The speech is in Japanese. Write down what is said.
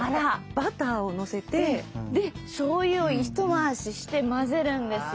バターをのせて。でしょうゆをひと回しして混ぜるんですよ。